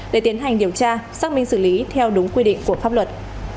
để tiến hành điều tra xác minh xử lý theo đúng quy định của pháp luật